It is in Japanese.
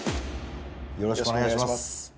よろしくお願いします。